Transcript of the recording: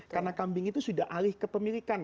karena kambing itu sudah alih ke pemilikan